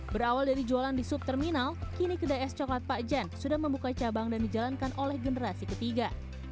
berawal dari jualan di sub terminal kini kedai es coklat pak jan sudah membuka cabang dan dijalankan oleh generasi ketiga